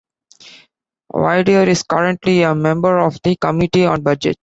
Vaidere is currently a member of the Committee on Budgets.